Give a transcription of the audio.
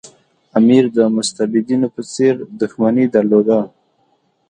امیر د مستبدینو په څېر دښمني درلوده.